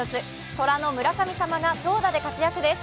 虎の村上様が投打で活躍です。